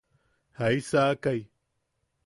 ¿Jaisaakai?